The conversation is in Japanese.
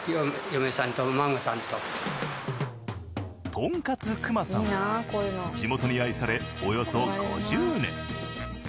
とんかつ熊さんは地元に愛されおよそ５０年。